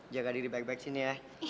jaga diri baik baik sini ya